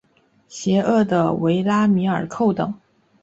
邪恶的维拉米尔寇等。